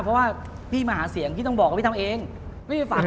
เพราะว่าพี่มหาเสียงพี่ต้องบอกเหมือนกับพี่ทำเอง